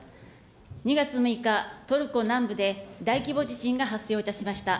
２月６日、トルコ南部で大規模地震が発生をいたしました。